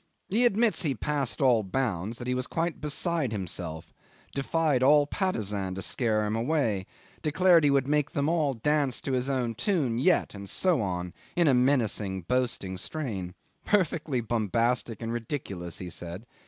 He admits he passed all bounds, that he was quite beside himself defied all Patusan to scare him away declared he would make them all dance to his own tune yet, and so on, in a menacing, boasting strain. Perfectly bombastic and ridiculous, he said.